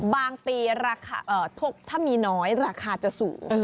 บางปีราคาถ้ามีน้อยราคาจะสูง